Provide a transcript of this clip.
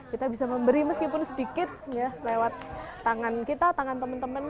kita bisa memberi meskipun sedikit lewat tangan kita tangan teman teman